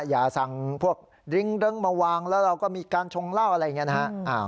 อย่าสั่งพวกริ้งเริงมาวางแล้วเราก็มีการชงเหล้าอะไรอย่างนี้นะครับ